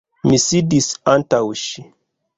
Mi sidis antaŭ ŝi.